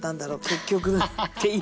結局っていう。